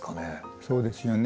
そうですよね。